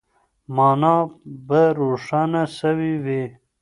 مانا به روښانه سوې وي.